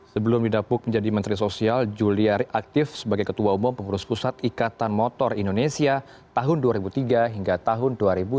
sebelum didapuk menjadi menteri sosial juliari aktif sebagai ketua umum pengurus pusat ikatan motor indonesia tahun dua ribu tiga hingga tahun dua ribu dua puluh